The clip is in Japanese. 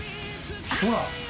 ほら。